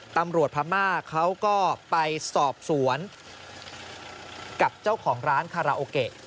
พม่าเขาก็ไปสอบสวนกับเจ้าของร้านคาราโอเกะ